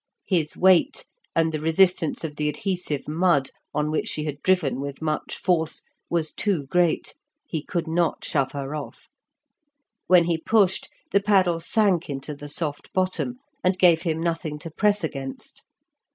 His weight and the resistance of the adhesive mud, on which she had driven with much force was too great; he could not shove her off. When he pushed, the paddle sank into the soft bottom, and gave him nothing to press against.